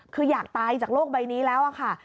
คืออยากตายจากโลกใบนี้แล้วค่ะ